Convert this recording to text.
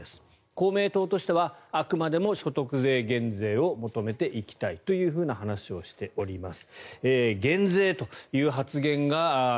公明党としてはあくまでも所得税減税を求めていきたいという話をしております。